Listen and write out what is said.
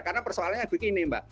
karena persoalannya begini mbak